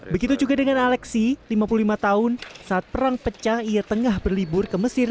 berusaha untuk mencari tempat aman